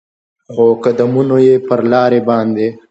خو قدمونو یې پر لارې باندې